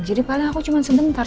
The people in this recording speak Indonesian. jadi paling aku cuman sebentar